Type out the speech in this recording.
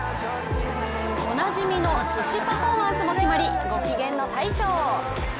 おなじみのスシパフォーマンスも決まりご機嫌の大将。